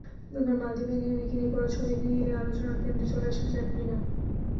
এবার মালদ্বীপে গিয়ে বিকিনি পরা ছবি দিয়ে আলোচনার কেন্দ্রে চলে আসলেন ক্যাটরিনা।